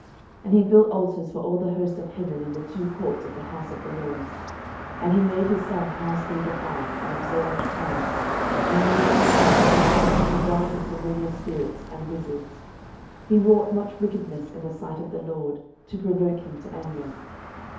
12:021:005 And he built altars for all the host of heaven in the two courts of the house of the LORD. 12:021:006 And he made his son pass through the fire, and observed times, and used enchantments, and dealt with familiar spirits and wizards: he wrought much wickedness in the sight of the LORD, to provoke him to anger.